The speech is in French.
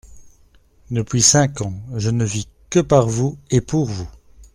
Depuis cinq ans, je ne vis que par vous et pour vous.